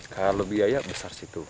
kalau biaya besar situ